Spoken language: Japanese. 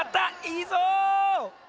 いいぞ！